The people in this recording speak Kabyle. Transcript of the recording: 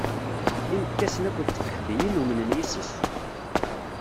Imekkasen akked tqeḥbiyin umnen yes-s.